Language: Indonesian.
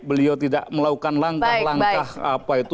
beliau tidak melakukan langkah langkah